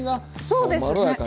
そうですね。